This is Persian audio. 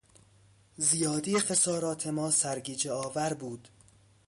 زیادی خسارات ما سرگیجهآور بود.